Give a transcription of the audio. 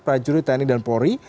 prajurit tni dan polri